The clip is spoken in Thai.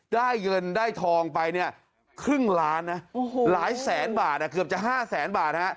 ได้เงินได้ทองไปเนี่ยครึ่งล้านนะหลายแสนบาทเกือบจะ๕แสนบาทฮะ